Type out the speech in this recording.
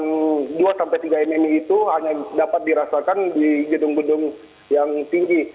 nah yang di mmi itu hanya dapat dirasakan di gedung gedung yang tinggi